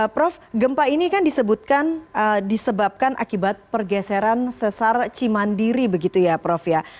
prof gempa ini kan disebutkan disebabkan akibat pergeseran sesar cimandiri begitu ya prof ya